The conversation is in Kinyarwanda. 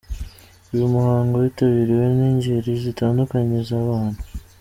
Uyu muhango witabiriwe n'ingeri zitandukanye za bantu.